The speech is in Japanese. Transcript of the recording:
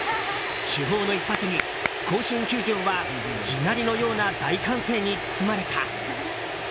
主砲の一発に甲子園球場は地鳴りのような大歓声に包まれた。